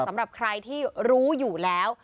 สำหรับใครที่รู้อยู่แล้ว